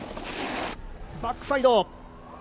バックサイド、